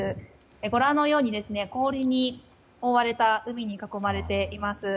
ご覧のように氷に覆われた海に囲まれています。